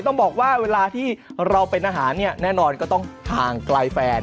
ต้องบอกว่าเวลาที่เราเป็นอาหารเนี่ยแน่นอนก็ต้องห่างไกลแฟน